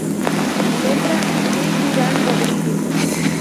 Letra: Luis Duran Rodríguez.